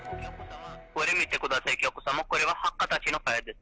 これ、見てください、お客様、これはハッカーたちのファイルです。